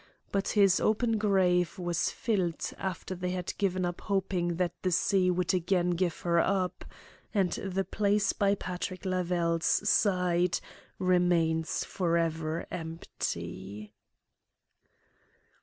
But his open grave was filled after they had given up hoping that the sea would again give her up, and the place by Patrick Lavelle's side remains for ever empty.